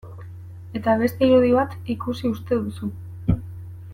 Eta beste irudi bat ikusi uste duzu...